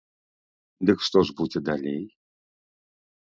Дык што ж будзе далей?